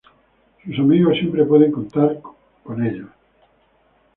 Sus amigos siempre pueden contar ellos.